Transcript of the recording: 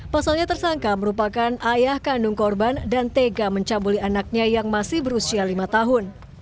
pasalnya tersangka merupakan ayah kandung korban dan tega mencabuli anaknya yang masih berusia lima tahun